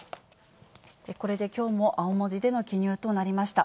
これできょうも青文字での記入となりました。